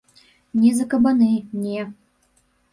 Не за кабаны, не.